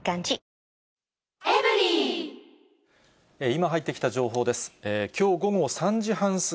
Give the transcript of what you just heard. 今入ってきた情報です。